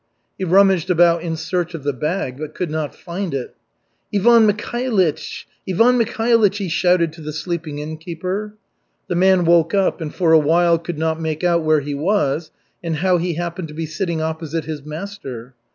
He rummaged about in search of the bag, but could not find it. "Ivan Mikhailych, Ivan Mikhailych," he shouted to the sleeping innkeeper. The man woke up and for a while could not make out where he was and how he happened to be sitting opposite his master.